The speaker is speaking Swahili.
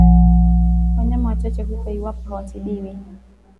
Wanyama wachache hufa iwapo hawatibiwi